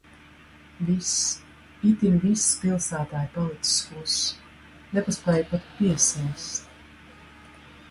Viss, itin viss pilsētā ir palicis kluss. Nepaspēju pat piesēst.